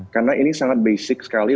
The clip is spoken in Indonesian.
karena ini sangat basic sekali